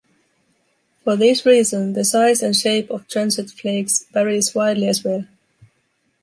For this reason, the size and shape of tranchet flakes varies widely as well.